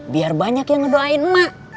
biar banyak yang ngedoain mak